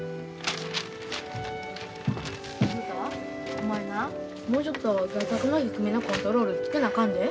お前なもうちょっと外角の低めのコントロールつけなあかんで。